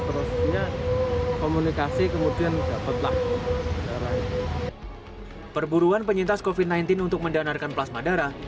terusnya komunikasi kemudian dapat lagi perburuan penyintas kopi sembilan belas untuk mendonorkan plasma darah